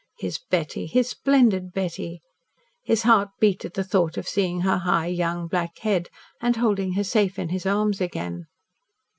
His Betty his splendid Betty! His heart beat at the thought of seeing her high, young black head, and holding her safe in his arms again.